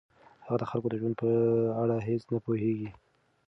هغه د خلکو د ژوند په اړه هیڅ نه پوهیږي.